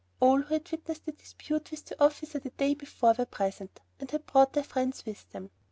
All who had witnessed the dispute with the officer the day before were present, and had brought their friends with them.